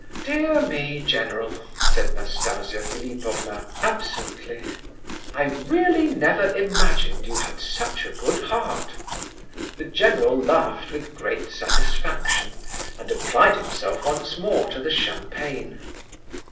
'" "Dear me, general," said Nastasia Philipovna, absently, "I really never imagined you had such a good heart." The general laughed with great satisfaction, and applied himself once more to the champagne.